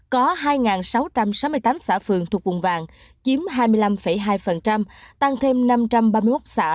có hai sáu trăm sáu mươi tám xã phường thuộc vùng vàng chiếm hai mươi năm hai tăng thêm năm trăm ba mươi một xã